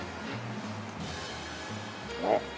あっ。